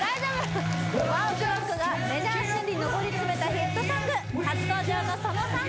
ＯＮＥＯＫＲＯＣＫがメジャーシーンに上り詰めたヒットソング初登場の佐野さん